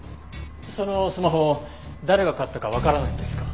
そのスマホ誰が買ったかわからないんですか？